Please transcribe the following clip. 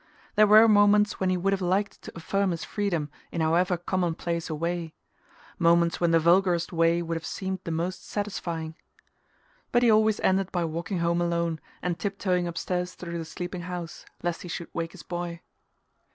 There were moments when he would have liked to affirm his freedom in however commonplace a way: moments when the vulgarest way would have seemed the most satisfying. But he always ended by walking home alone and tip toeing upstairs through the sleeping house lest he should wake his boy....